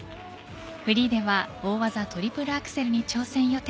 フリーでは大技・トリプルアクセルに挑戦予定。